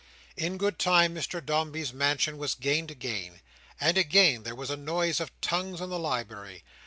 In good time Mr Dombey's mansion was gained again, and again there was a noise of tongues in the library.